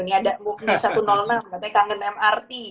ini ada mugni satu ratus enam katanya kangen mrt